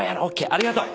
ありがとう。